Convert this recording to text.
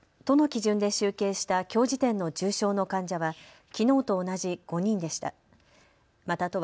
都の基準で集計したきょう時点の重症の患者はきのうと同じ５人でした。